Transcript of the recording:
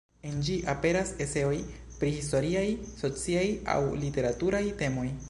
En ĝi aperas eseoj pri historiaj, sociaj aŭ literaturaj temoj.